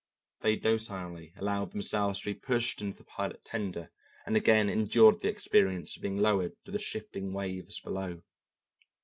They docilely allowed themselves to be pushed into the pilot tender and again endured the experience of being lowered to the shifting waves below.